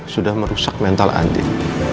sudah merusak mental andin